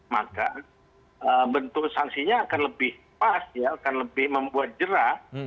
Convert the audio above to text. maka bentuk sanksinya akan lebih pas ya akan lebih membuat jerah